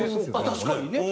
確かにね。